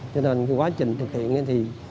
cho nên quá trình thực hiện